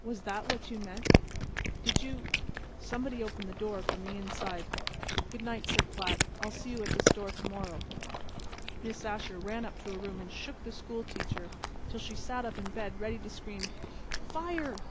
"Was that what you meant?—did you"— Somebody opened the door from inside the house. "Good night," said Platt. "I'll see you at the store to morrow." Miss Asher ran up to her room and shook the school teacher until she sat up in bed ready to scream "Fire!"